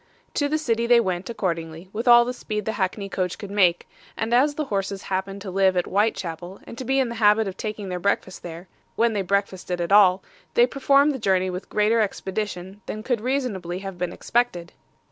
To the city they went accordingly, with all the speed the hackney coach could make; and as the horses happened to live at Whitechapel and to be in the habit of taking their breakfast there, when they breakfasted at all, they performed the journey with greater expedition than could reasonably have been expected.